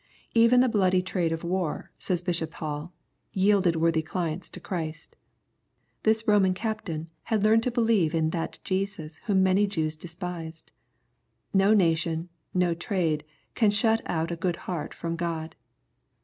—" Even the bloody trade of war," says Bishop Hall, " yielded worthy clients to Christ Thin Roman captain had learned to believe in that Jesus whom many Jews despised. No nation, no trade, can shut out a good heart from God.